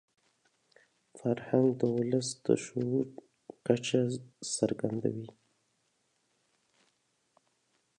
فرهنګ د ولس د شعور کچه څرګندوي.